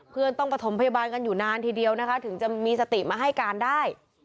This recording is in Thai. เพื่อนต้องประถมพยาบาลกันอยู่นานทีเดียวนะคะถึงจะมีสติมาให้การได้